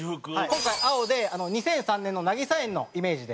今回青で２００３年の渚園のイメージで。